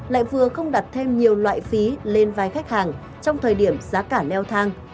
lại vừa không đặt thêm nhiều loại phí lên vai khách hàng trong thời điểm giá cả leo thang